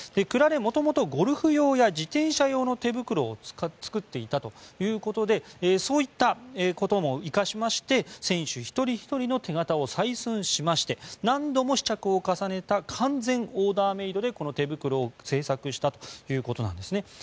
クラレは元々ゴルフ用や自転車用の手袋を作っていたということでそういったことも生かしまして選手一人ひとりの手形を採寸しまして何度も試着を重ねた完全オーダーメイドでこの手袋を製作したということです。